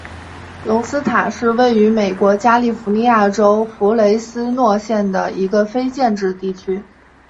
隆斯塔是位于美国加利福尼亚州弗雷斯诺县的一个非建制地区。